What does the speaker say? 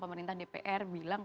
pemerintah dpr bilang